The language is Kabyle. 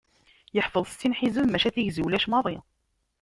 Yeḥfeḍ settin ḥizeb maca tigzi ulac maḍi.